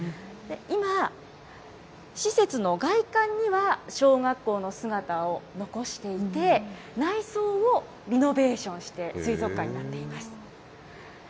今、施設の外観には、小学校の姿を残していて、内装をリノベーションして、水族館になっています。